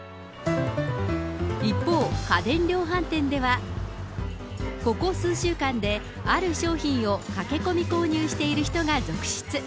一方、家電量販店では、ここ数週間で、ある商品を駆け込み購入している人が続出。